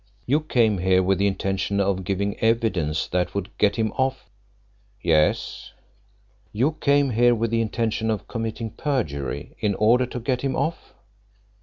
"You came here with the intention of giving evidence that would get him off?" "Yes." "You came here with the intention of committing perjury in order to get him off?"